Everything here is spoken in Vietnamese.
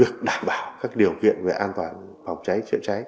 được đảm bảo các điều kiện về an toàn phòng cháy chữa cháy